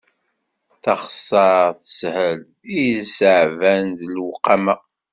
Taxessaṛt teshel, i yeṣṣeɛben d lewqama.